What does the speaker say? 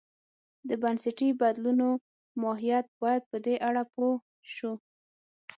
د بنسټي بدلونو ماهیت باید په دې اړه پوه شو.